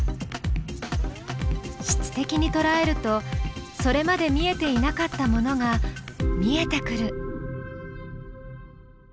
質的にとらえるとそれまで見えていなかったものが見えてくる。